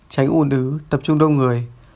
tránh ủn ứa tập trung đông người